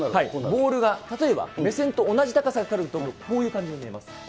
ボールが、例えば目線と同じ高さから来るとこういう感じに見えます。